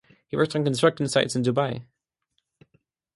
He worked on construction sites in Dubai.